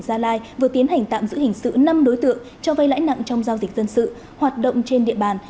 gia lai vừa tiến hành tạm giữ hình sự năm đối tượng cho vay lãi nặng trong giao dịch dân sự hoạt động trên địa bàn